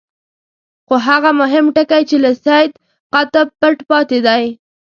خو هغه مهم ټکی چې له سید قطب پټ پاتې دی.